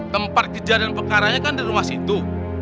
tempat kejadian perkaranya kan di rumah situ